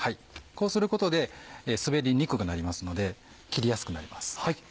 こうすることで滑りにくくなりますので切りやすくなります。